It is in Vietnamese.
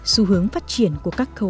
xu hướng phát triển của các coworking